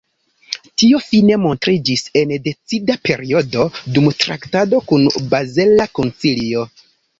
Tio fine montriĝis en decida periodo, dum traktado kun bazela koncilio.